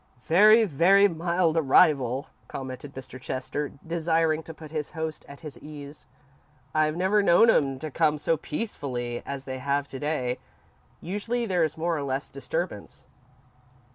"Very, very mild arrival," commented Mr. Chester, desiring to put his host at his ease. "I've never known 'em to come so peacefully as they have to day. Usually there's more or less disturbance."